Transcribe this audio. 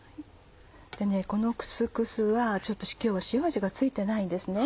このクスクスはちょっと今日は塩味が付いてないんですね。